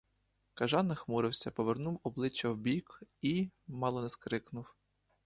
Кажан нахмурився, повернув обличчя вбік і — мало не скрикнув.